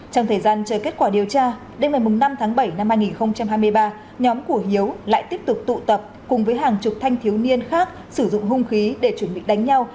trong thời gian chờ kết quả điều tra đêm ngày năm tháng bảy năm hai nghìn hai mươi ba nhóm của hiếu lại tiếp tục tụ tập cùng với hàng chục thanh thiếu niên khác sử dụng hung khí để chuẩn bị đánh nhau